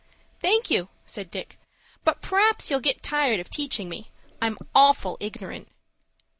"Thank you," said Dick, "but p'r'aps you'll get tired of teaching me. I'm awful ignorant."